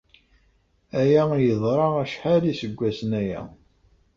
Aya yeḍra acḥal n yiseggasen aya.